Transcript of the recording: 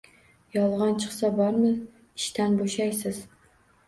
Yolg’on chiqsa bormi, ishdan bo’shaysiz!